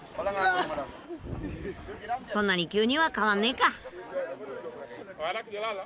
そんなに急には変わんねぇか。